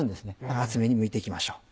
だから厚めにむいて行きましょう。